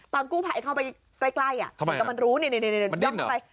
ตอนกู้ไพเข้าไปใกล้ใกล้อ่ะเหมือนกับมันรู้นี่นี่นี่นี่มันดิ้นเหรอ